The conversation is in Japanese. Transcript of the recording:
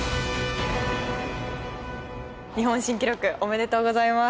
日本新記録おめでとうございます。